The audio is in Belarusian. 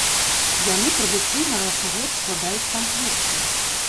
Яны традыцыйна раз у год ускладаюць там кветкі.